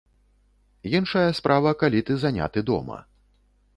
Іншая справа, калі ты заняты дома.